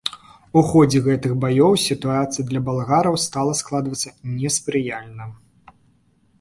У ходзе гэтых баёў сітуацыя для балгараў стала складвацца неспрыяльна.